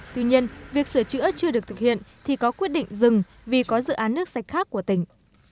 tuy nhiên việc sửa chữa chưa được thực hiện thì có quyết định dừng vì có dự án nước sạch khác của tỉnh